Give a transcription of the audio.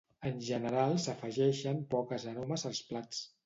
En general s'afegeixen poques aromes als plats